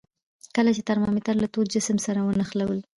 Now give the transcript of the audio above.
کله چې ترمامتر له تود جسم سره ونښلولو.